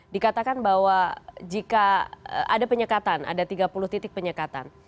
dikatakan bahwa jika ada penyekatan ada tiga puluh titik penyekatan